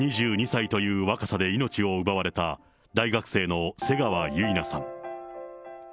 ２２歳という若さで命を奪われた、大学生の瀬川結菜さん。